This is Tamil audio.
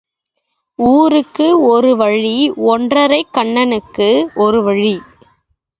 ஊருக்கு ஒரு வழி ஒன்றரைக் கண்ணனுக்கு ஒரு வழி.